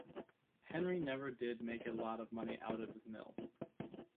Henry never did make a lot of money out of his mill.